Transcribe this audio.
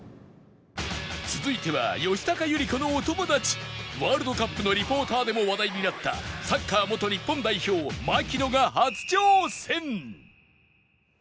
続いては吉高由里子のお友達ワールドカップのリポーターでも話題になったサッカー元日本代表槙野が初挑戦！